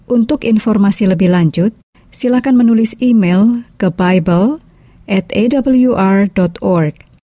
untuk informasi lebih lanjut silakan menulis email ke bible atawr org